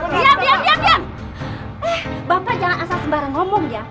eh bapak jangan asal sembarang ngomong ya